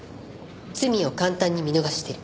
罪を簡単に見逃してる。